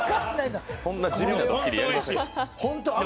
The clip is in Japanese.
そんな地味なドッキリやりません。